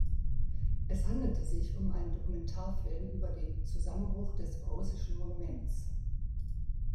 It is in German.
Es handelte sich um einen Dokumentarfilm über den „Zusammenbruch des russischen Monuments“.